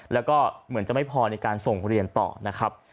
แล้วก็ไม่พอเหมือนการส่งเรียนต่อนะครับ